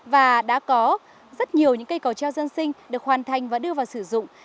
và đã có rất nhiều những cây cầu treo dân sinh được hoàn thành và đưa vào sử dụng